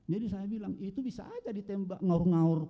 saya bilang itu bisa aja ditembak ngaur ngaur